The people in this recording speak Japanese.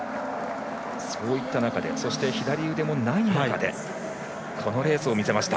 そういった中で左腕もない中でこのレースを見せました。